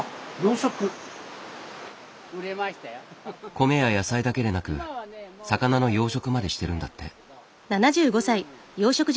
米や野菜だけでなく魚の養殖までしてるんだって。